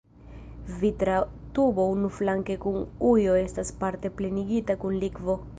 Vitra tubo unuflanke kun ujo estas parte plenigita kun likvo.